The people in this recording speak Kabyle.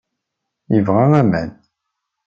Yebɣa aman.